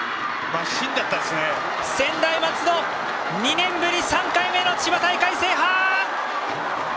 専大松戸２年ぶり３回目の千葉大会制覇！